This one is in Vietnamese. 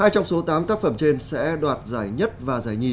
hai trong số tám tác phẩm trên sẽ đoạt giải nhất và giải nhì